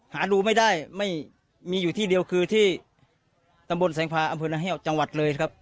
หาดูไม่ได้ไม่มีอยู่ที่เดียวคือที่ตำบลแสงพาอำเภอนาแห้วจังหวัดเลยครับ